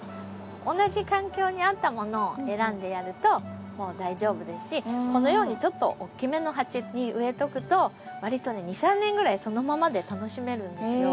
同じ環境に合ったものを選んでやると大丈夫ですしこのようにちょっと大きめの鉢に植えとくとわりとね２３年ぐらいそのままで楽しめるんですよ。